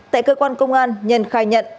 tại cơ quan công an nhân khai nhận